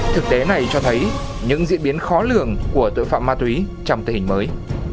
thực tế này cho thấy những diễn biến khó lường của tội phạm ma túy trong tình hình mới